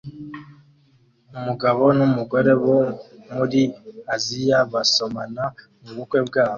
Umugabo n'umugore bo muri Aziya basomana mubukwe bwabo